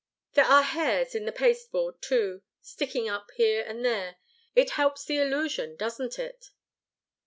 "There are hairs in the pasteboard, too sticking up here and there it helps the illusion, doesn't it?"